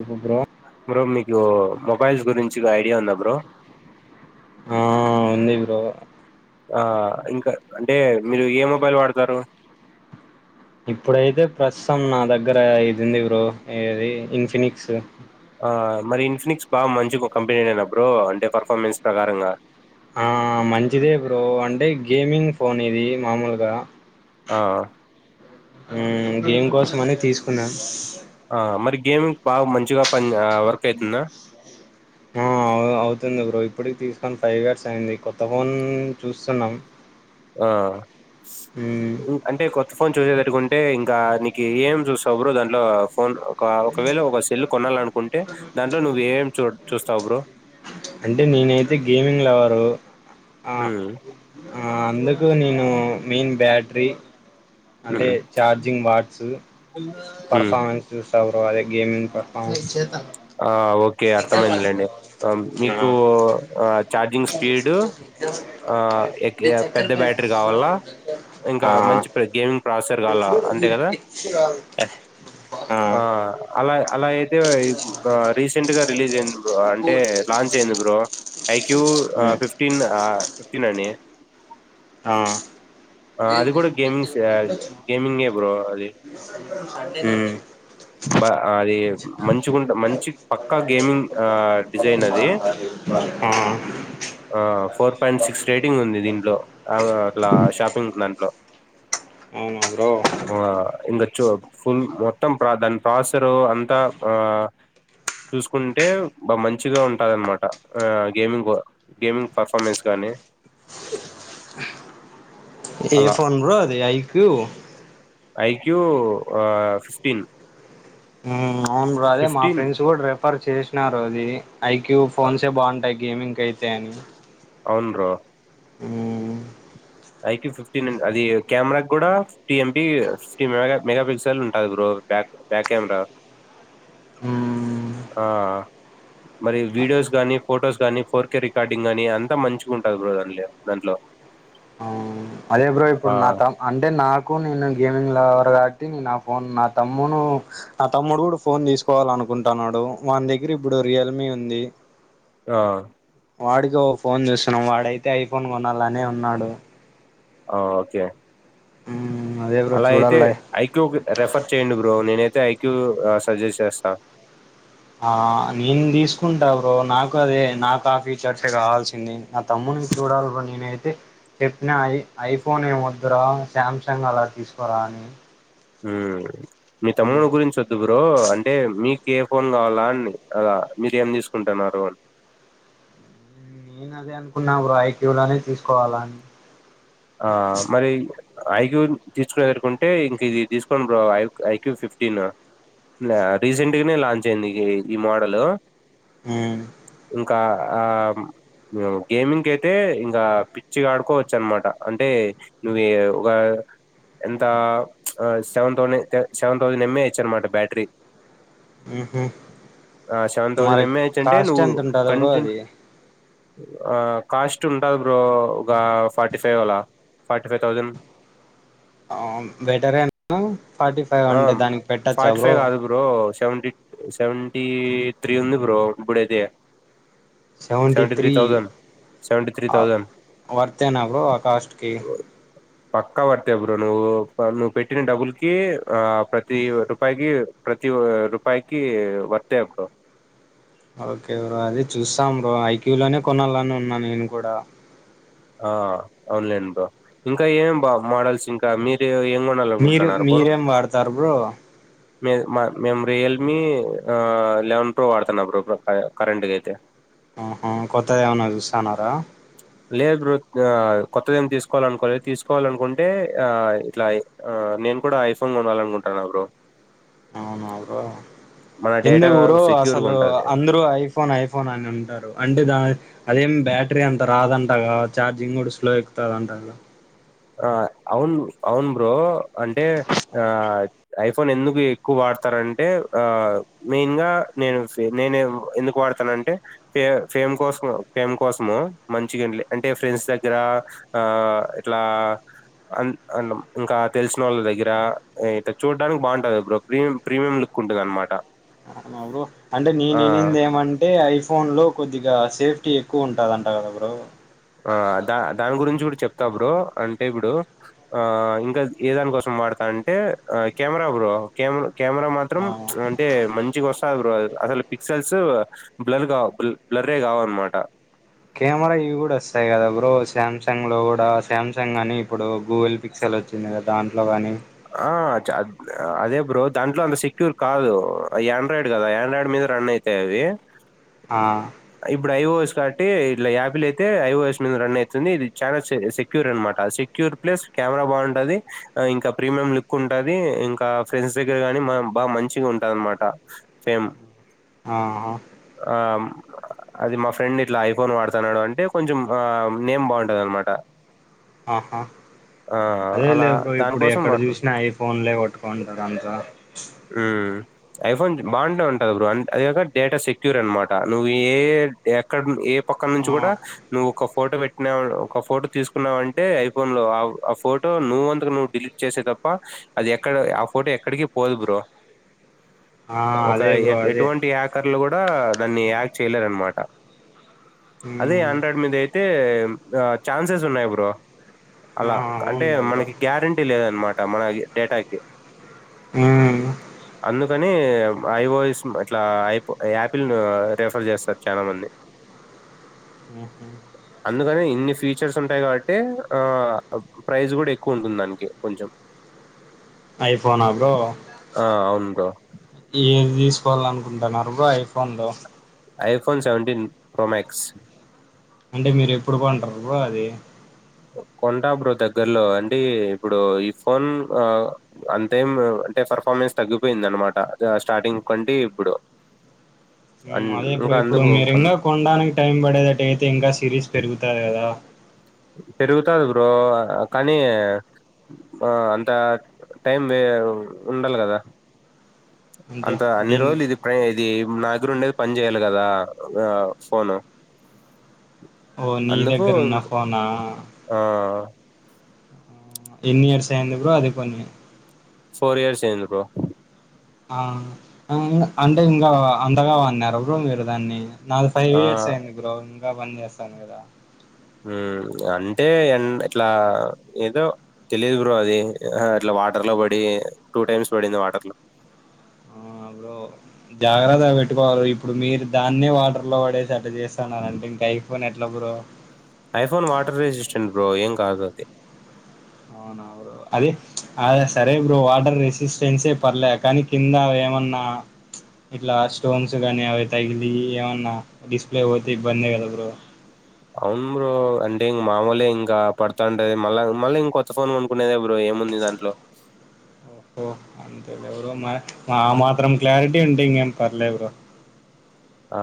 చెప్పు bro bro మీకు ఓ మొబైల్స్ గురించి గ ఐడియా ఉంద బ్రో ఆ ఉంది బ్రో ఆ ఇంకా అంటే మీరు ఏ మొబైల్ వాడుతారు ఇప్పుడైతే ప్రస్తుతం నా దగ్గర ఇదుంది బ్రో ఏది ఇన్ఫినిక్స్ ఆ మరి ఇన్ఫినిక్స్ బాగా మంచి ఒక కంపెనీ నేనా బ్రో అంటే పర్ఫార్మెన్స్ ప్రకారంగా ఆ మంచిదే బ్రో అంటే గేమింగ్ ఫోన్ ఇది మామూలుగా ఆ మ్మ్ గేమ్ కోసం అని తీసుకున్నా ఆ మరి గేమింగ్ బాగా మంచిగా పన్ ఆ వర్క్ అయితుందా ఆ అవ్ అవుతుంది బ్రో ఇప్పటికి తీసుకొని ఫైవ్ ఇయర్స్ అయింది కొత్త ఫోన్ చూస్తున్నాం ఆ మ్మ్ అంటే కొత్త ఫోన్ చూసేటటుకుంటే ఇంకా నీకి ఏం చూస్తావ్ బ్రో దాంట్లో ఫోన్ ఒక ఒకవేళ ఒక సెల్లు కొనాలి అనుకుంటే దాంట్లో నువ్వవు ఏం ఎం చూ చూస్ తావ బ్రో అంటే నేనైతే గేమింగ్లవరు ఉమ్ అందుకు నేను మెయిన్ బ్యాటరీ అంటే ఉమ్ చార్జింగ్ వాట్స్ ఉమ్ performance bro gaming perform okay అర్థమైందిలేండి మీకు ఆ ఆ ఛార్జింగ్ స్పీడు పెద్ద బ్యాటరీ కావాలా ఇంకా ఆ మంచి గేమింగ్ ప్రాసెసర్ కావాలా అంతే కదా ఆ అ అలా అలా అయితే రీసెంట్ గా రిలీజ్ ఐంది బ్రో అంటే లాంచ్ అయింది బ్రో ఐక్యూ ఆ ఉమ్ ఫిఫ్టీన్ ఆ ఫిఫ్టీన్ అని ఆ ఆ అది కూడా గేమింగ్స్ ఆ గేమింగ్ బ్రో అది ఉమ్ బ అది మంచి గుంట మంచి చిక్ పక్కా గేమింగ్ ఆ డిజైన్ అది ఆ ఆ ఫోర్ పాయింట్ సిక్స్ రేటింగ్ ఉంది దీంట్లో అగో అట్లా షాపింగ్ కు నన్ లో అవును బ్రో చోబ్ ఫుల్ మొత్తం ప దాని పాసరు అంతా ఆ చూసుకుంటే బా మంచిగా ఉంటందనమాట ఆ గేమింగో గేమింగ్ పర్ఫార్మెన్స్ గానీ ఏ అలా ఫోన్ బ్రో అది ఐ క్యూ ఐ క్యూ ఆ ఫిఫ్టీన్ ఊ అవును బ్రో అదే మా ఫిఫ్టీన్ ఫ్రెండ్స్ కూడా రిఫర్ చేసినారు అది ఐ క్యూ ఫోన్స్ ఏ బాగుంటాయి గేమింగ్ కైతే అని అవును బ్రో ఊ ఐ క్యూ ఫిఫ్టీన్ అది కెమెరా కూడా ఫిఫ్టీ ఎంబి ఫిఫ్టీ మె మెగా పిక్సల్ ఉంటాది బ్రో బ్యాక్ బ్యాక్ కెమెరా ఉమ్ ఆ మరి వీడియోస్ గానీ ఫొటోస్ గానీ ఫోర్కె రికార్డింగ్ గానీ అంతా మంచి ఉంటది బ్రో అండ్ల దాంట్లో అవును అదే బ్రో ఆ ఇప్పుడు నా త అంటే నాకు నేను గేమింగ్ లా కాబట్టి నా ఫోన్ నా తమ్మును నా తమ్ముడు కూడా ఫోన్ తీసుకోవాల అనుకుంటన్నాడు వాన దగ్గర ఇప్పుడు రియల్మీ ఉంది ఆ వాడికి ఓ ఫోన్ చూస్తున్నాం వాడైతే ఐఫోన్ కొనాలనే ఉన్నాడు ఆ ఓకే ఊ అలా అయితే ఐక్యో కి రెఫర్ చేయండి బ్రో నేనై తె ఐక్యూ ఆ సజెస్ చేస్తా ఆ నేను తీసుకుంటా బ్రో నాకు అదే నాకు ఆ ఫీచర్స్ కావాల్సింది నా తమ్ముని చూడాలి బ్రో నేనైతే చెప్పిన ఐ ఐఫోన్ ఏ ఒదురా శామ్సంగ్ అలా తీసుకొరా అని ఊ మీ తమ్ముని గురించి వద్దు బ్రో అంటే మీ కే ఫోన్ కావాలా అని అలా మీరు ఏం తీసుకుంటున్నారు అని నే అదే అనుకున్నా బ్రో ఐక్యూ లనే తీసుకోవాలని ఆ మరి ఐక్యూ తీచుకోవాలనుకుంటే ఇంకిది తీసుకోను బ్రో ఐ ఐక్యూ ఫిఫ్టీన్ ఆ రీసెంట్ నే లాంచ్ అయింది ఇ ఈ మోడలు ఊ ఇంకా ఆ ఉ గేమింగ్ కయితే ఇంకా పిచ్చిగా ఆడుకోవచ్చు అనమాట అంటే నువె ఒక ఎంత ప్చ్ సెవెన్ తోనేతే సెవెన్ థౌసండ్ ఎంఏ ఇచ్చ అనమాట బ్యాటరీ ఉహూ సెవెన్ థౌజండ్ మరి ఎంఏహెచ్ కాస్ట్ ఎంతుంటాది బ్రో అది ఆ కాస్ట్ ఉంటది బ్రో ఒక ఫార్టీ ఫై వ్ ల ఫార్టీ ఫైవ్ థౌజండ్ ఆ బెటరే నా ఆ ఫార్టీ ఫైవ్ కాదు బ్రో సెవెన్టీ సెవెన్ ఈ త్రి ఉంది బ్రో ఇప్పుడయితే సెవెంటీ త్రీ సెవెంటీ త్రీ అ థౌజండ్ వర్తేేనా బ్రో ఆ కాస్ట్కి పక్కా వర్తే బ్రో నువ్వు నువ్వు పెట్టిన డబ్బుల్ కి ఆ ప్రతి రూపాయకి ప్రతి రూపాయకి వర్తే బ్రో ఓకే బ్రో అది చూస్తాం బ్రో ఐక్యూ లోనే కొనాలనే ఉన్నా నేను కూడా ఆ ఆన్లైన్ బ్రో ఇంకా ఏమేం బ్రో మోడల్స్ ఇంకా మీరు ఏం మీరు కొనాలనుకుంటున్నారు మీరేం వాడతారు బ్రో మ మేము రియల్మీ ఎలెవెన్ ప్రో వాడుతున్నా ప్రో కరెంట్గ అయితే ఆహా కొత్తగ ఏమన్నా చూస్తాన్నారా లేదు బ్రోఆ కొత్తద ఏం తీసుకోవాలనుకోవాలి తీసుకోవాలనుకుంటే ఆ ఇట్లా అ నేను కూడా ఐఫోన్ కొనాలనుకుంటగా బ్రో అవున బ్రో మన డేటా ఎందుకు బ్రో సెక్యూర్గా అసలు ఉంటది అందరు ఐఫోన్ ఐఫోన్ అని ఉంటారు అంటే దాని అదేం బ్యాటరీ అంత రాదంట గా అంతగా చార్జింగ్ కూడా స్లో ఎక్కుతుంది అంటగా ఆ అవును అవును బ్రో అంటే ఆ ఐఫోన్ ఎందుకు ఎక్కువ వాడతారంటే ఆ మెయిన్ గా నేను నేను ఎందుకు వాడతానంటే ఫ ఫేమ్ కోసం ఫేమ్ కోసము మంచిగాలే అంటే ఫ్రెండ్స్ దగ్గర ఆ ఇట్లా ఆన్ అన్ ఇంకా తెలిసిన వాళ్ళ దగ్గర ఇట్లా చూడడానికి బాగుంటంది బ్రో ప్రీమ్ ప్రీమియం లుక్ ఉంటుంది అనమాట అవునా అంటే నేను ఆ వినింది ఏమంటే ఐ ఫొ ఫోన్ లో కొద్దిగా సేఫ్టీ ఎక్కువ ఉంటాదంట కదా బ్రో ఆ దా దాని గురించి కూడా చెప్తా బ్రో అంటే ఇప్పుడు ఆ ఇంక ఏదానికోసం వాడతాంటే కెమెరా బ్రో కెమెరా కెమెరా మాత్రం ఆ అంటే మంచిగ వస్తాది బ్రో అసలు పిక్సెల్స్ బ్లర్ కావ్ బ్లరే కావు అనమాట కెమెరా ఇ గూడా వస్తాయి కదా బ్రో సమ్సంగ్ లో కూడా శామ్సంగ్ కానీ ఇప్పుడు గూగుల్ పిక్సల్ వచ్చింది కదా దాంట్లో కానీ ఆ చా అదే బ్రో దాంట్లో అంత సెక్యూర్ కాదు యాండ్రాయిడ్ కదా ఆండ్రాయిడ్ మీద రన్ అయితాయి అవి ఆ ఇప్పుడు ఐఓఎస్ కాబట్టి ఇలా యాపిల్ అయితే ఐఓఎస్ మీద రన్ అవుతుంది ఇది చాలా సెక్యూర్ అనమాట సెక్యూర్ ప్లేస్ కెమెరా బాగుంటది ఇంకా ప్రీమియం లుక్ ఉంటది ఇంకా ఫ్రెండ్స్ దగ్గర కాగాని బాగా మంచిగా ఉంటది అనమాట ఫేమ్ ఆ ఆ అది మా ఫ్రెండ్ ఇట్లా ఐఫోన్ వాడుతాన్నాడు అంటే కొంచెం ఆ నేమ్ బాగుంటది అనమాట ఆహా ఆ అదే లే అలా బ్రో ఇప్పుడు దానికోసం ఎక్కడ వాడతాం చూసినా ఐ ఫోన్లే పట్టుకుంటారు అంతా హ్మ్ ఐఫోన్ బాగుంటే ఉంటది బ్రో అ అది కక డేటా సెక్యూర్ అనమాట నువ్వు ఏ ఎక్కడ ఏ పక్క నుంచి ఆ కూడా నువ్వు ఒక ఫోటో పెట్టినా ఒక ఫోటో తీసుకున్నావంటే ఐఫోన్ లో ఆ ఫోటో నువవు అంతకు నువ్వు డిలీట్ చేసే తప్ప అది ఎక్కడ ఆ ఫోటో ఎక్కడికి పోదు బ్రో ఆ, అదే బ్రో అదే. పిల్ల కూడా ద న్ని హాక్ చేయలేదన్నమాట. అదే, మ్మ్ ఆండ్రయిడ్ మీద ఐత్ తే ఆ చాన్సెస్ ఉన్నాయి బ్రో. అలా, ఆ అంటే అవునులే బ్రో మనకి గ్యారెంటీ లేదనమాట. మ్మనాకది డేటాకి ఉమ్ కనీ ఐవాయిస్ అట్లా, ఐపో ఆపిల్ ఆ రెఫర్ చేస్తరు చానా మంది. ఉ హు అందుకనే ఇన్ని ఫీచర్స్ ఉంటాయి కాబట్టి, ఆ ప్రైస్ కూడ ఎక్కువుంటుంది దానికి కొంచెం. ఐఫోన్ అ బ్రో? ఆ అవును బ్రో ఈ విస్ కోవాలనుకుంటున్నారు బ్రో ఐఫోన్ లో? IPhone seventeen pro max. అంటే, మీరు ఎప్పుడు కొంటరు అది? కొంటా బ్రో దగ్గర్లో, అంటే ఇప్పుడు ఈ ఫోన్ ఆ అంతేం అంటే పర్ఫార్మెన్స్ తగ్గిపోయింది అన్నమాట. స్టార్టింగ్ కంటే ఇప్పుడు. ఉమ్, అన్- అదే బ్రో ఇంకా ఇప్పుడు అందుకు మీరు ఇంకా కొన్- కొనడానికి టైం పడేటట్టు అయితే ఇంకా సిరీస్ పెరుగుతది కదా. పెరుగుతది బ్రో కానీ, ఆ అంత టైం వే ఉండాల కదా. అంటే అంత, అన్ని రోజులు దీనికి ఇది ప్రై ఇది నాదగ్గరుండేది పని చేయాలి కదా, ఆ ఫోను. ఓ, నీ అందుకు దగ్గరున్న ఫోనా? ఆ ఎన్ని ఇయర్స్ ఐంది బ్రో అది కొని? ఫోర్ ఇయర్స్ ఐంది బ్రో. ఆ, అ అంటే ఇంగా అంతగా వాడినార బ్రో, మీరు దాన్ని? నాది ఫైవ్ ఆ ఇయర్స్ అయింది బ్రో, ఇంకా పని చేస్ స్తంది కదా. ఉమ్ అంటే, ఎన్ ఎట్లా ఏంటో తెలియదు బ్రో అది. అట్లా వాటర్ ల పడి, టూ టైమ్స్ పడింది వాటర్ లో. ఆ బ్రో, జాగ్రత్తగ పెట్టుకోవాలి. ఇప్పుడు మీరు దాన్నే వాటర్ లో పడేసార్ ట చేస్తన్నారంటే, ఇంక ఐఫ్ ఫోన్ ఎట్ల bro? IPhone water resistant bro, ఏం కాదు అది. అవునా బ్రో, అదే అ సరే బ్రో వాటర్ రెసిస్టెన్సే పర్లే కనీ, కింద ఏమన్నా ఇట్లా స్టోన్స్ కనీ అవి తగిలి ఏమన్నా డిస్ప్లే పోతే ఇబ్బందే కదా బ్రో. అవును బ్రో, అంటే ఇంగ మామూలే ఇంకా పడుతాంటది. మళ్ళా, మళ్ళీ కొత్త ఫోన్ కొనుక్కునేదే బ్రో ఏముంది దాంట్లో. మ అంతేలే బ్రో, మా ఆ మాత్రం క్లారిటీ ఉంటే ఇంకేం పర్లే బ్రో. ఆ,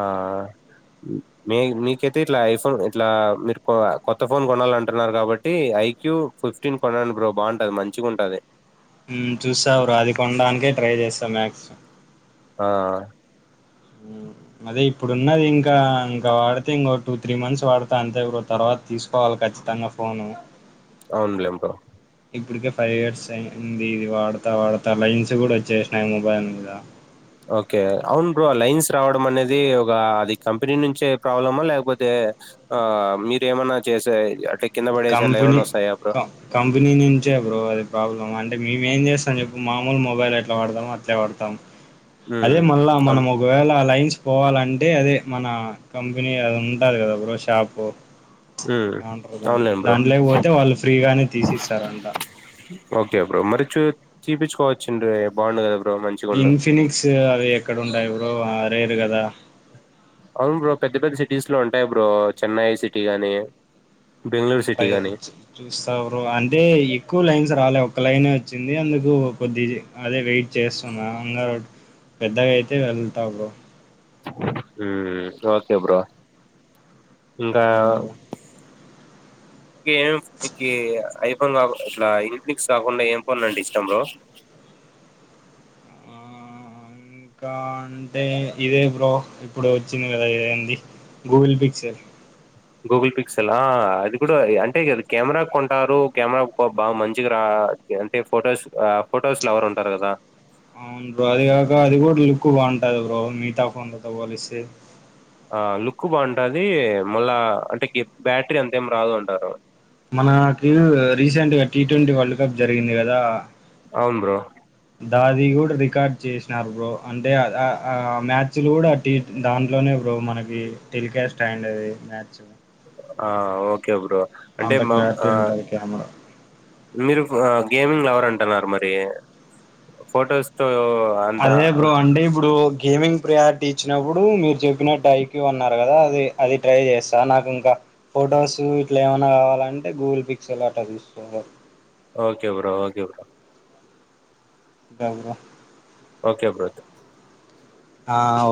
మీ మీకైతే ఇట్లా ఐఫోన్ ఇట్లా మీరు కొఆ కొత్త ఫోన్ కొనాలంటున్నారు కాబట్టి, ఐక్యూ ఫిఫ్టీన్ కొనండి బ్రో, బాగుంటంది మంచిగుంటది. మ్మ్ అ స ఆఆ అదే ఇప్పుడున్నది ఇంకా, ఇంక వాడితే ఇంకో టూ, త్రీ మంత్స్ వాడుతా అంతే బ్రో. తర్వాత తీసుకోవాలి ఖచ్చితంగా ఫోను. అవునులేె బ్రో ఇప్పటికే ఫైవ్ ఇయర్స్ అయింది ఇది వాడతా వాడతా లైన్స్ కూడా వచ్చేసినాయి మొబైల్ మీద ఓకే అవును బ్రో ఆ లైన్స్ రావడం అనేది ఒక అది కంపెనీ నుంచే ప్రాబ్లమా లేకపోతే ఆ మీరేమనా చేసే అంటే కంపెనీ కంపెనీ నుంచే బ్రో అది ప్రాబ్లం అంటే మేము ఏం చేస్తాం చెప్పు మామూలు మొబైల్ అట్లా వాడదాము అట్లే వాడతాం ఉమ్, అదే మళ్ళా అవును మనం ఒకవేళ లైన్స్ పోవాలంటే అదే మన కంపెనీ అది ఉంటాలి కదా బ్రో షాపు ఉమ్, అవుంటారు దాన్ని అవునులేండి బ్రో దాంట్లోక పోతే వాళ్ళు ఫ్రీగానే తీసిస్తారంట చ తీపించుకోవచ్చుండి బాగుండు కదా బ్రో మంచిగుండు ఇన్ఫినిక్స్ అవి ఎక్కడ ఉండయి బ్రో లేరు కదా అవును బ్రో పెద్ద పెద్ద సిటీస్ లో ఉంటాయి బ్రో చెన్నై సిటీ గాని బెంగళూరు సిటీ గాని చూస్తావ్ర అంటే ఎక్కువ లైన్స్ రాలే ఒక్క లైన్ వచ్చింది అందుకు కొద్ది అదే వెయిట్ చేస్తున్నా ఇంగ పెద్దగైతే వెళ్తా బ్రో ఓకే బ్రో ఇంకా ఏందో ఇ ఏమ మీకు అయి ఇం కా ఇట్లా ఇంగ్నిక్స్ కాకుండా ఏం పనులంటే ఇష్టం బ్రో ఇంకా అంటే ఇదే బ్రో ఇప్పుడు వచ్చింది కదా ఇదేడి గూగుల్ పిక్సెల్ గూగుల్ పిక్సల్ అది కూడా అంటే క కెమెరా కొంటారు కెమెరా బాగా మంచిగా రా అంటే ఫొటోస్ ఫొటోస్ లు ఎవరు ఉంటారు కదా అవును బ్రో అది కాక అది కూడా లుక్ బాగుంటది బ్రో మిగతా ఫోన్లతో పోలిస్తే ఆ లుక్ బాగుంటది మళ్ళా అంటే బ్యాటరీ అంతేం రాదు అంటారు మనకు రీసెంట్ గా టీ ట్వంటీ వరల్డ్ కప్ జరిగింది కదా అవును్ బ్రో దాది కూడా రికార్డ్ చేసినారు బ్రో అంటే ఆ మ్యాచ్ చిలుడటి డాన్ ఇ లోనే ఇప్పు మనకి టెలికాస్ట్ అయ్యిందేది మ్యాచ్ ఆ ఓకే బ్రో అంటే అంత క్లారిటీ ఉంటది కెమెరా మీరు గేమింగ్ లవ్ అంటానారు మరి ఫోటోస్ తో అంతా అదే బ్రో అంటే ఇప్పుడు గేమింగ్ ప్రియారిటీ ఇచ్చినప్పుడు మీరు చెప్పినట్టు ఐక్యూ అన్నారు కదా అది అది ట్రై చేస్తాను నాకు ఇంకా ఫొటోస్ ఇట్లా ఏమైనా కావాలంటే గూగుల్ పిక్సల్ అట తీసుకోరు okay bro okay bro bye bro okay bro అయితే ఆ ఓకే